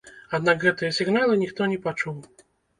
Аднак гэтыя сігналы ніхто не пачуў.